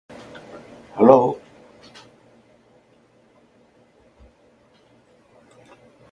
Eventually, the forces of the Eight-Nation Alliance arrive to put down the rebellion.